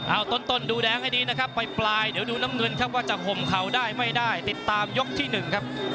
เอาต้นดูแดงให้ดีนะครับปลายเดี๋ยวดูน้ำเงินครับว่าจะห่มเข่าได้ไม่ได้ติดตามยกที่๑ครับ